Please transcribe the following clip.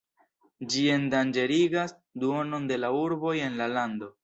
Ĝi endanĝerigas duonon de la urboj en la lando.